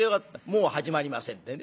もう始まりませんでね。